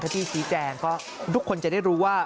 ถ้าที่ชี้แจงก็ทุกคนจะได้รู้ว่า